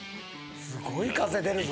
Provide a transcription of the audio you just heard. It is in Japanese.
すごい風出るぞ。